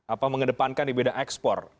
apa mengedepankan di bidang ekspor